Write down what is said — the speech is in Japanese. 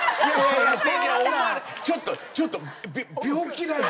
ちょっとちょっとび病気だよ！